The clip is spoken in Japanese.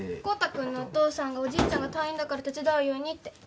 功太君のお父さんがおじいちゃんが退院だから手伝うようにって。